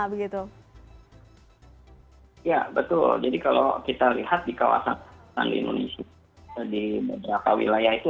ya betul jadi kalau kita lihat di kawasan kawasan indonesia di beberapa wilayah itu